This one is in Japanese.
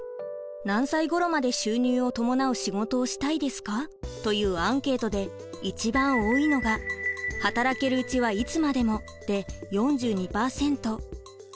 「何歳ごろまで収入を伴う仕事をしたいですか」というアンケートで一番多いのが「働けるうちはいつまでも」で４２％。